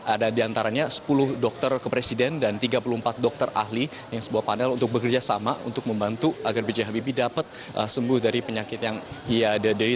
ada di antaranya sepuluh dokter ke presiden dan tiga puluh empat dokter ahli yang sebuah panel untuk bekerja sama untuk membantu agar b j habibie dapat sembuh dari penyakit yang ia dede